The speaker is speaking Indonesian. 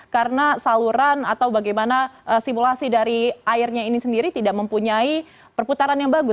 karena saluran atau bagaimana simulasi dari airnya ini sendiri tidak mempunyai perputaran yang bagus